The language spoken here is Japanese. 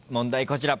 こちら。